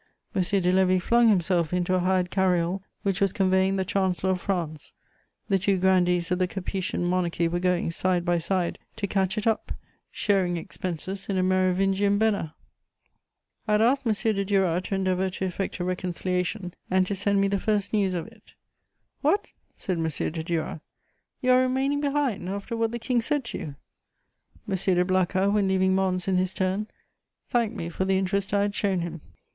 M. de Lévis flung himself into a hired cariole which was conveying the Chancellor of France: the two grandees of the Capetian Monarchy were going, side by side, to catch it up, sharing expenses, in a Merovingian benna. I had asked M. de Duras to endeavour to effect a reconciliation, and to send me the first news of it: "What!" said M. de Duras. "You are remaining behind, after what the King said to you?" M. de Blacas, when leaving Mons in his turn, thanked me for the interest I had shown him.